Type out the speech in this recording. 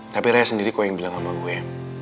tapi raya sendiri kok yang bilang sama gue